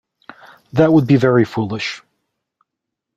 That would be very foolish.